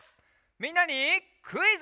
みんなにクイズ！